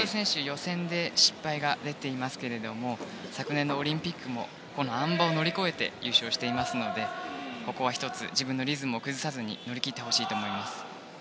予選で失敗が出ていますけども昨年のオリンピックもこのあん馬を乗り越えて優勝していますのでここは１つ、自分のリズムを崩さずに乗り切ってほしいと思います。